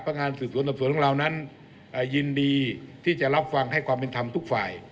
งานสืบสวนสอบสวนของเรานั้นยินดีที่จะรับฟังให้ความเป็นธรรมทุกฝ่าย